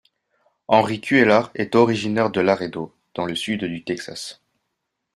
Henry Cuellar est originaire de Laredo, dans le sud du Texas.